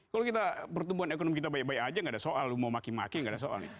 kalau kita pertumbuhan ekonomi kita baik baik aja nggak ada soal lu mau maki maki gak ada soal